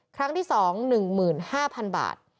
ครั้งที่๒๑๕๐๐๐บาท